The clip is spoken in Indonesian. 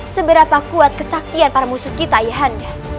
seberapa kuat kesaktian para musuh kita yahan